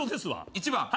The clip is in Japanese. １番